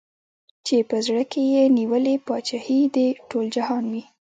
چي په زړه کي یې نیولې پاچهي د ټول جهان وي